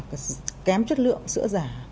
tất cả các sữa kém chất lượng sữa giả